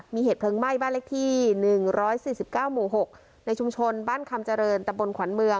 มีเหตุเพลิงไหม้บ้านเล็กที่หนึ่งร้อยสิบเก้าหมู่หกในชุมชนบ้านคำเจริญตะบลขวัญเมือง